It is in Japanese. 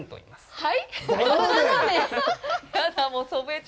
はい。